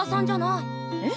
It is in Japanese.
えっ？